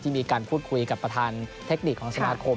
มีการพูดคุยกับประธานเทคนิคของสมาคม